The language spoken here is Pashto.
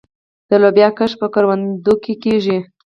د لوبیا کښت په کروندو کې کیږي.